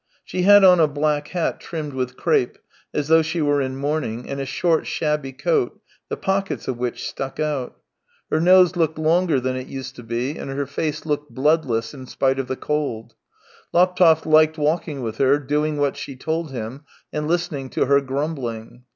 She had on a black hat trimmed with crape, as though she were in mourning, and a short, shabby coat, the pockets of which stuck out. Her nose THREE YEARS 285 looked longer than it used to be, and her face looked bloodless in spite of the cold. Laptev liked walking with her, doing what she told him, and listening to her grumbling.